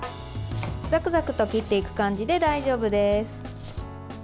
ざくざくと切っていく感じで大丈夫です。